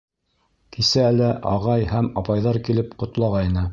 — Кисә лә ағай һәм апайҙар килеп ҡотлағайны!